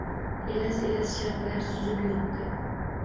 Elas-elas sharpalar suzib yuribdi.